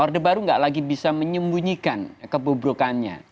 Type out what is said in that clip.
orde baru tidak lagi bisa menyembunyikan kebebrokannya